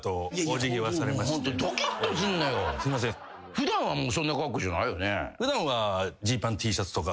普段はそんな格好じゃないよね？